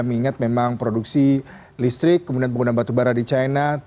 mengingat memang produksi listrik kemudian pengguna batubara di china